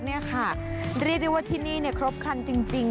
เรียกได้ว่าที่นี่ครบครั้งจริง